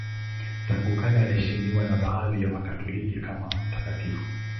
Tangu kale anaheshimiwa na baadhi ya Wakatoliki kama mtakatifu.